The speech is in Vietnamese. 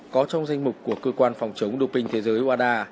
có trong danh mục của cơ quan phòng chống đột bình thế giới wada